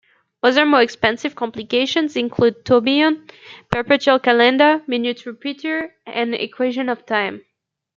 Other more expensive complications include Tourbillon, Perpetual calendar, Minute repeater, and Equation of time.